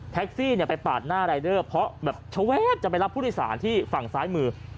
แท็กซี่เนี่ยไปปาดหน้ารายเดอร์เพราะแบบเฉว๊ะจะไปรับพุทธศาลที่ฝั่งซ้ายมือ